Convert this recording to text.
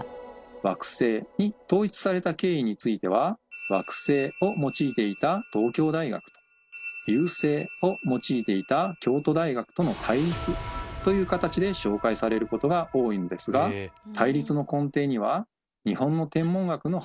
「惑星」に統一された経緯については「惑星」を用いていた東京大学と「遊星」を用いていた京都大学との対立という形で紹介されることが多いのですがあっ！